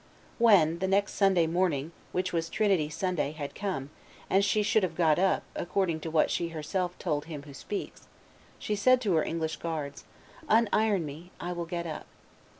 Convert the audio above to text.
When the next Sunday morning, which was Trinity Sunday, had come, and she should have got up, according to what she herself told to him who speaks, she said to her English guards, 'Uniron me; I will get up.